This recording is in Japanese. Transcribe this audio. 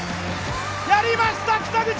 やりました北口！